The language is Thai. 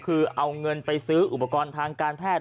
คือเอาเงินไปซื้ออุปกรณ์ทางการแพทย์